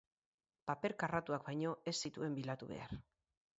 Paper karratuak baino ez zituen bilatu behar.